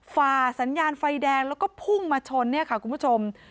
ฝ่าสัญญาณไฟแดงแล้วก็พุ่งมาชนเนี่ยค่ะคุณผู้ชม